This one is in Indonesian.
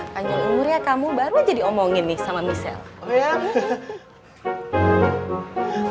panjang umurnya kamu baru aja diomongin nih sama michelle